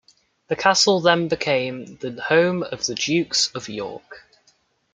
The castle then became the home of the Dukes of York.